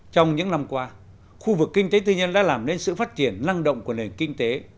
trong những năm qua khu vực kinh tế tư nhân đã làm nên sự phát triển năng động của nền kinh tế